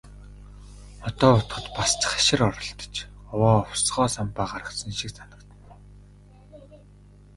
Одоо бодоход бас ч хашир оролдож, овоо овсгоо самбаа гаргасан шиг санагдана.